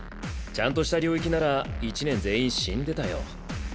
ちゃんとした領域なら一年全員死んでたよ。